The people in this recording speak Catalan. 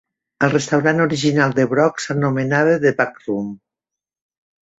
El restaurant original de Brock s'anomenava The Back Room.